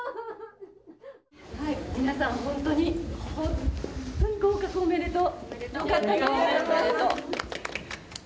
皆さん本当に合格おめでとう。